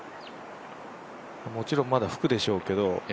もちろん、まだ吹くでしょうけど。